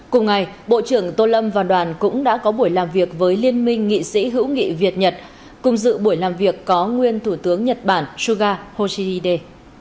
cùng ngày bộ trưởng tô lâm và đoàn cũng đã có buổi làm việc với liên minh nghị sĩ hữu nghị việt nhật cùng dự buổi làm việc có nguyên thủ tướng nhật bản suga yoshihide